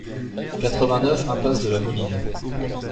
quatre-vingt-neuf impasse de la Moline